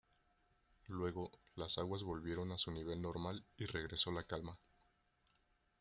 Luego, las aguas volvieron a su nivel normal y regresó la calma.